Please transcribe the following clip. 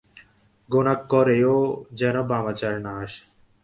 ঘুণাক্ষরেও যেন বামাচার না আসে।